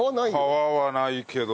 皮はないけど。